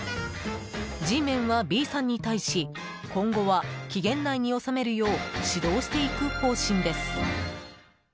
Ｇメンは、Ｂさんに対し今後は期限内に納めるよう指導していく方針です。